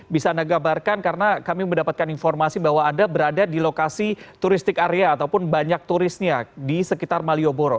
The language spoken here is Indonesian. bisa anda gabarkan karena kami mendapatkan informasi bahwa anda berada di lokasi turistik area ataupun banyak turisnya di sekitar malioboro